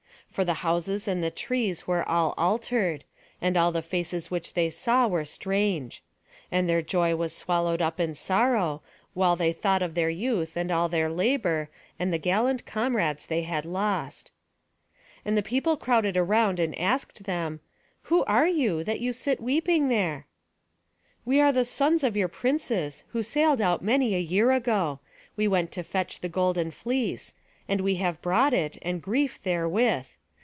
For the houses and the trees were all altered; and all the faces which they saw were strange; and their joy was swallowed up in sorrow, while they thought of their youth, and all their labour, and the gallant comrades they had lost. And the people crowded round, and asked them, "Who are you, that you sit weeping here?" "We are the sons of your princes, who sailed out many a year ago. We went to fetch the golden fleece; and we have brought it, and grief therewith.